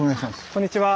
こんにちは。